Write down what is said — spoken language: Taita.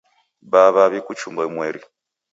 Baa w'awi kuchumba umweri.